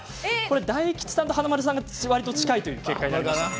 大吉さんと華丸さんがわりと近い結果になりましたね。